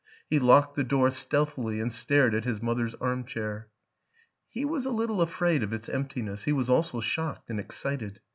He locked the door stealthily and stared at his mother's arm chair; he was a little afraid of its emptiness, he was also shocked and excited.